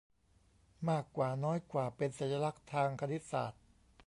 มากกว่าน้อยกว่าเป็นสัญลักษณ์ทางคณิตศาสตร์